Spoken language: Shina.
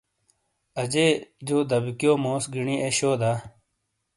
اجے (اماں) جو دیکیو موس گینی اے شو دا ؟